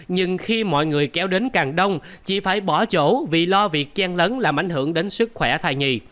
nhưng khi mọi người kéo đến càng đông chị phải bỏ chỗ vì lo việc chen lấn làm ảnh hưởng đến sức khỏe thai nhì